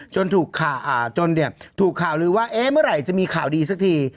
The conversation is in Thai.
จนถูกข่าวลือว่าเมื่อไหร่จะมีข่าวดีสักที